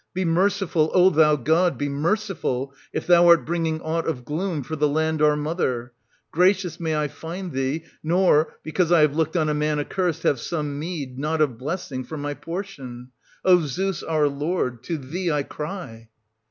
Be merciful, O thou god, be merciful, 1480 \i thou art bringing aught of gloom for the land our mother ! Gracious may I find thee, nor, because I have looked on a man accurst, have some meed, not of blessing for my portion ! O Zeus our lord, to thee 1 cry!